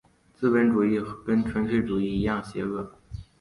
资本主义跟纳粹主义一样邪恶。